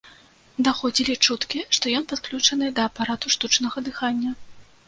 Даходзілі чуткі, што ён падключаны да апарату штучнага дыхання.